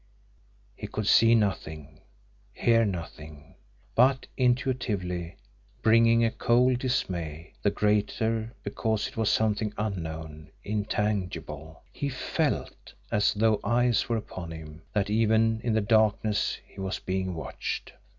He could see nothing, hear nothing but intuitively, bringing a cold dismay, the greater because it was something unknown, intangible, he FELT as though eyes were upon him, that even in the darkness he was being watched!